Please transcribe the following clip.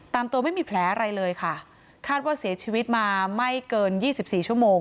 ตามตัวไม่มีแผลอะไรเลยค่ะคาดว่าเสียชีวิตมาไม่เกินยี่สิบสี่ชั่วโมง